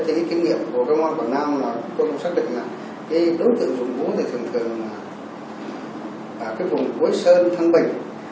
thế thì kinh nghiệm của công an quảng nam là tôi cũng xác định là cái đối tượng vùng vúa thì thường thường là cái vùng quế sơn thân bình